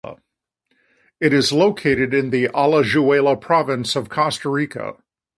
It is located in Alajuela province of Costa Rica.